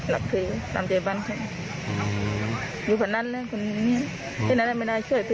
เห็นอะไรไม่ได้ขอให้เครื่อยไป